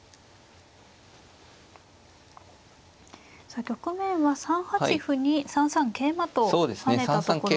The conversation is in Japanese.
さあ局面は３八歩に３三桂馬と跳ねたところですね。